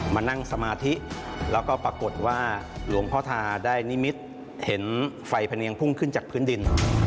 มานั่งสมาธิแล้วก็ปรากฏว่าหลวงพ่อทาได้นิมิตเห็นไฟพะเนียงพุ่งขึ้นจากพื้นดิน